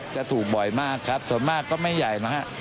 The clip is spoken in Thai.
จะถูกบ่อยมากครับส่วนมากก็ไม่ใหญ่นะฮะ